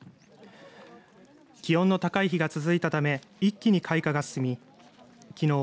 気温の高い日が続いたため一気に開花が進みきのう